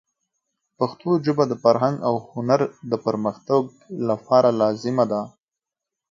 پښتو ژبه د فرهنګ او هنر د پرمختګ لپاره لازمه ده.